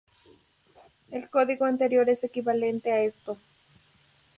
El código anterior es equivalente a esto.